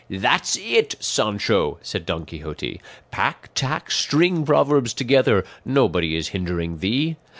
'" "That's it, Sancho!" said Don Quixote; "pack, tack, string proverbs together; nobody is hindering thee!